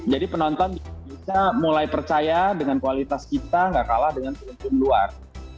jadi penonton bisa mulai percaya dengan kualitas kita gak kalah dengan film film luar